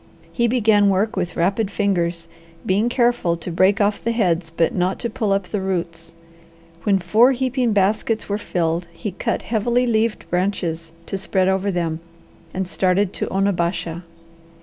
He began work with rapid fingers, being careful to break off the heads, but not to pull up the roots. When four heaping baskets were filled he cut heavily leaved branches to spread over them, and started to Onabasha.